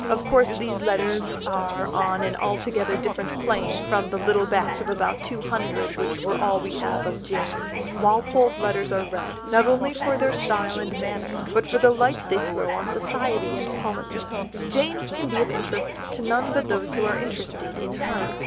Of course these letters are on an altogether different plane from the little batch of about two hundred, which are all we have of Jane's. Walpole's letters are read, not only for their style and manner, but for the light they throw on society and politics. Jane's can be of interest to none but those who are interested in her.